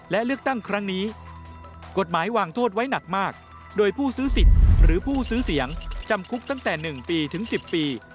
และเลือกตั้งครั้งนี้กฎหมายวางโทษไว้หนักมากโดยผู้ซื้อสิทธิ์หรือผู้ซื้อเสียงจำคุกตั้งแต่๑ปีถึง๑๐ปี